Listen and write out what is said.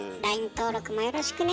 登録もよろしくね。